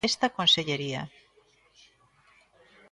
Esta consellería.